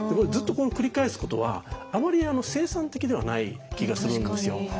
ずっとこれを繰り返すことはあまり生産的ではない気がするんですよ。